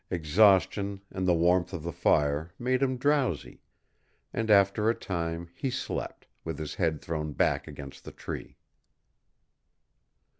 Exhaustion, and the warmth of the fire, made him drowsy, and, after a time, he slept, with his head thrown back against the tree.